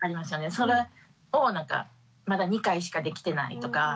それをまだ２回しかできてないとか